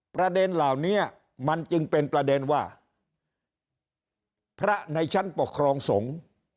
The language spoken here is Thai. ประเด็นเหล่านี้มันจึงเป็นประเด็นว่าพระในชั้นปกครองสงฆ์